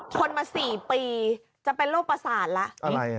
ทนมา๔ปีจะเป็นโรคประสาทแล้ว